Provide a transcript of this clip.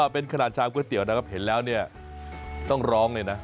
เป็นขนาดชามก๋วยเตี๋ยวนะครับเห็นแล้วเนี่ยต้องร้องเลยนะ